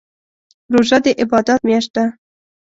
روژه دي عبادات میاشت ده